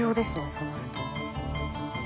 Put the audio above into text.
そうなると。